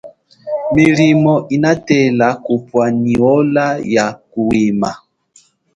Milimo inatela kubwa nyi ola ya kuhwima.